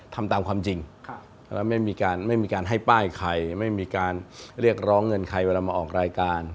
ทำตามความจริงแล้วไม่มีการไม่มีการให้ป้ายใครไม่มีการเรียกร้องเงินใครเวลามาออกรายการ